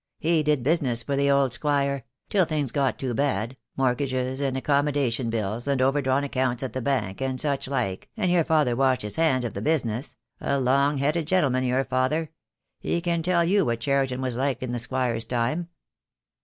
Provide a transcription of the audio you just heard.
He did business for the old Squire — till things got too bad — mortgages, and accommodation bills, and overdrawn accounts at the bank, and such like, and your father wTashed his hands of the business — a long headed gentleman, your father. He can tell you what Cheriton was like in the Squire's time."